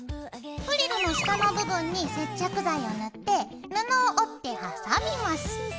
フリルの下の部分に接着剤を塗って布を折って挟みます。